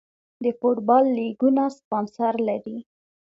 د فوټبال لیګونه سپانسر لري